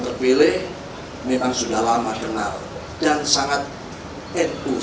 terpilih memang sudah lama kenal dan sangat nu